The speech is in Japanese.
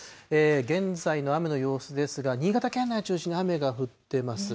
現在の雨の様子ですが、新潟県内を中心に雨が降ってます。